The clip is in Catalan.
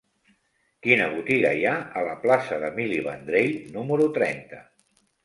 Quina botiga hi ha a la plaça d'Emili Vendrell número trenta?